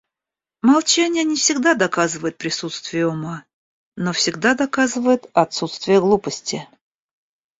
Молчание не всегда доказывает присутствие ума, но всегда доказывает отсутствие глупости.